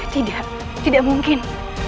tidak tidak mungkin